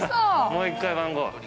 ◆もう一回、番号。